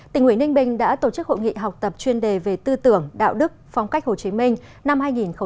tỉnh nguyễn ninh bình đã tổ chức hội nghị học tập chuyên đề về tư tưởng đạo đức phong cách hồ chí minh năm hai nghìn hai mươi